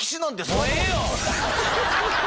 もうええよ！